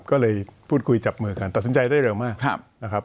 ก็เลยพูดคุยจับมือกันตัดสินใจได้เร็วมากนะครับ